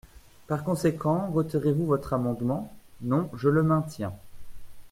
Par conséquent, retirez-vous votre amendement ? Non, je le maintiens.